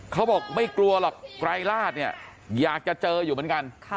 เขาบอกไม่กลัวหรอกไกรราชเนี่ยอยากจะเจออยู่เหมือนกัน